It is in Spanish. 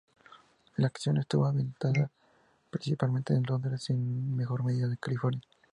La acción estuvo ambientada principalmente en Londres y en menor medida en California.